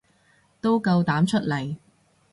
都夠膽出嚟